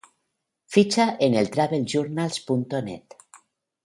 Ficha en traveljournals.net